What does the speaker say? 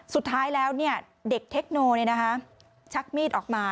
สุดท้ายแล้วเด็กเทคโนชักมีดออกมา